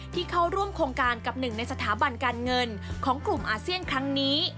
เข้าร่วมโครงการกับหนึ่งในสถาบันการเงินของกลุ่มอาเซียนครั้งนี้